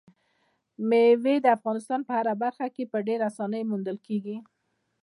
مېوې د افغانستان په هره برخه کې په ډېرې اسانۍ موندل کېږي.